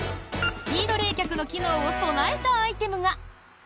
スピード冷却の機能を備えたアイテムが。